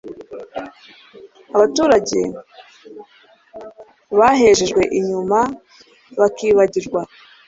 abaturage bahejejwe inyuma bakibagirwa